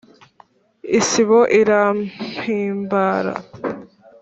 isibo irampimbara,